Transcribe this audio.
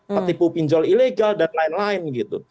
petipu pinjol ilegal dan lain lain gitu